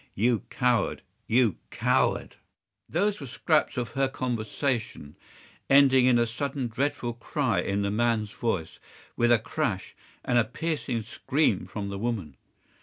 You coward! You coward!' Those were scraps of her conversation, ending in a sudden dreadful cry in the man's voice, with a crash, and a piercing scream from the woman.